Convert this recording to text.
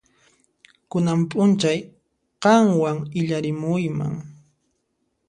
Kunan p'unchay qanwan illarimuyman.